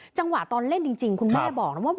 จังหวะตอนเล่นจริงคุณแม่บอกนะว่า